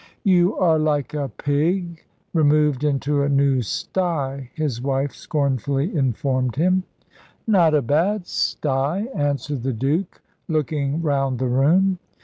"You are like a pig removed into a new sty," his wife scornfully informed him. "Not a bad sty," answered the Duke, looking round the room.